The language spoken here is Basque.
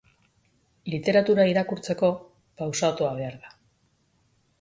Literatura irakurtzeko, pausatua behar da.